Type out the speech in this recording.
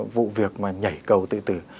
vụ việc mà nhảy cầu tự tử